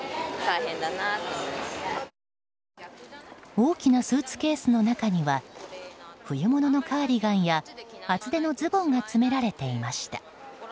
大きなスーツケースの中には冬物のカーディガンや厚手のズボンなどが詰められていました。